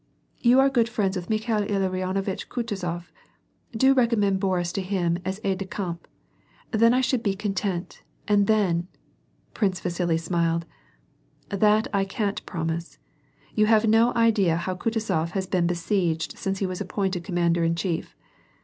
'' You are good friends with Mikhail Ilarionovitch Kutuzof, do recommend Boris to him as aide de camp. Then I should be content, and then '^— Prince Yasili smiled. ^ That I can't promise. You have no idea how Kutuzof has been besieged since he was appointed commander in chief.